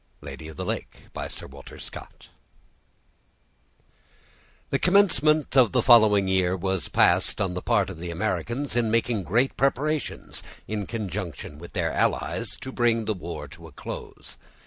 —Lady of the Lake. The commencement of the following year was passed, on the part of the Americans, in making great preparations, in conjunction with their allies, to bring the war to a close.